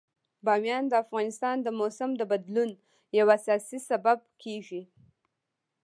بامیان د افغانستان د موسم د بدلون یو اساسي سبب کېږي.